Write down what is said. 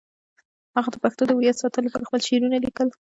هغه د پښتنو د هویت ساتلو لپاره خپل شعرونه لیکل.